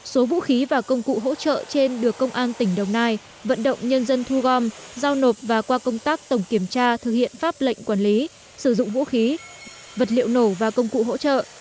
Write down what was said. số vũ khí và công cụ hỗ trợ trên được công an tỉnh đồng nai vận động nhân dân thu gom giao nộp và qua công tác tổng kiểm tra thực hiện pháp lệnh quản lý sử dụng vũ khí vật liệu nổ và công cụ hỗ trợ